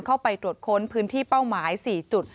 เข้าไปตรวจค้นพื้นที่เป้าหมาย๔จุด